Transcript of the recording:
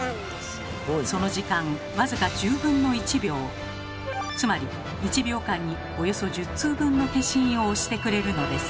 その時間僅かつまり１秒間におよそ１０通分の消印を押してくれるのです。